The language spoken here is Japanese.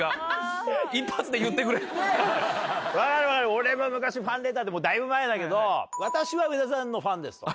俺も昔ファンレターだいぶ前だけど私は上田さんのファンですと。